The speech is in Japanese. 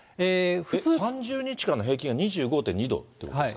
３０日間の平均が２５．２度ということですか？